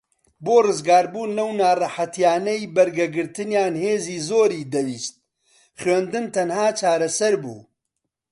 بۆ ڕزگاربوون لەو ناڕەحەتیانەی بەرگەگرتنیان هێزی زۆری دەویست خوێندن تەنھا چارەسەر بوو